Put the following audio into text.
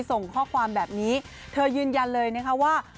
ส่งข้อความแบบนี้เธอยืนยันเลยนะคะว่า